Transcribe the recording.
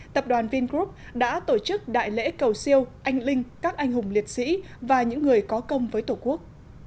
tập đoàn vingroup đã tổ chức đại lễ cầu siêu anh linh các anh hùng liệt sĩ và những người có công với tổ quốc